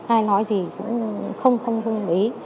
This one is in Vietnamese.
ai nói gì cũng không hôn ý